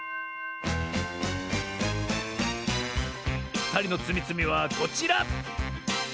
ふたりのつみつみはこちら！